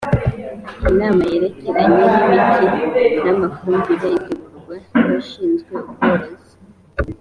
inama yerekeranye n ‘imiti n’ amafumbire itegurwa nabashinzwe ubworozi.